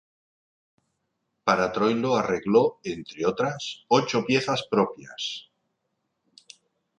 Para Troilo arregló, entre otras, ocho piezas propias.